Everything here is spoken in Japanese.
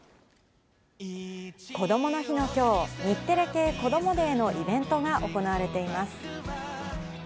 こどもの日の今日、日テレ系こどもｄａｙのイベントが行われています。